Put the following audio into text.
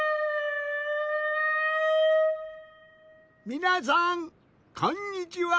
みなさんこんにちは！